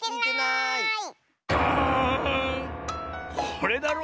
これだろ。